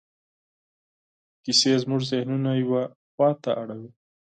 کیسې زموږ ذهنونه یوه لور ته اړوي.